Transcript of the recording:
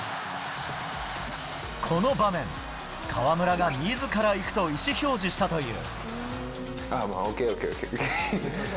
この場面、河村が自ら行くと意思表示したという。